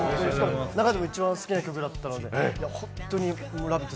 中でも一番好きな曲だったので、本当に「ラヴィット！」